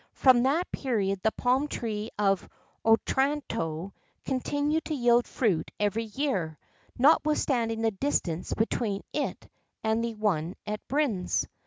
From that period the palm tree of Otranto continued to yield fruit every year, notwithstanding the distance between it and the one at Brindes.